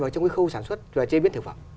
trong cái khâu sản xuất và chế biến thực phẩm